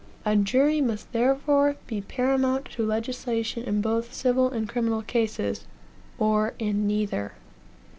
A jury must therefore be paramount to legislation in both civil and criminal cases, or in neither.